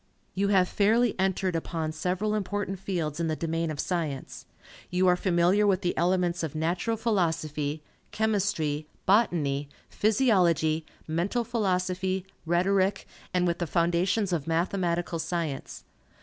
You have fairly entered upon several important fields in the domain of science. You are familiar with the elements of Natural Philosophy, Chemistry, Botany, Physiology, Mental Philosophy, Rhetoric, and with the foundations of Mathematical Science.